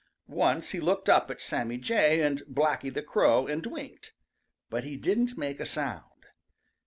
Once he looked up at Sammy Jay and Blacky the Crow and winked, but he didn't make a sound.